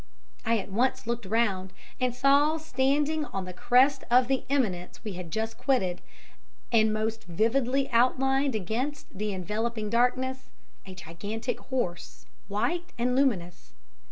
I at once looked round, and saw standing on the crest of the eminence we had just quitted, and most vividly outlined against the enveloping darkness, a gigantic horse, white and luminous.